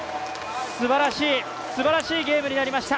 すばらしいゲームになりました！